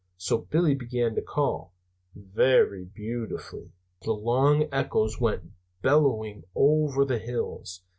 So Billy began to call, very beautifully. The long echoes went bellowing over the hills.